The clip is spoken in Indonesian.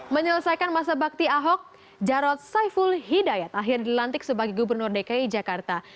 menyelesaikan masa bakti ahok jarod saiful hidayat akhir dilantik sebagai gubernur dki jakarta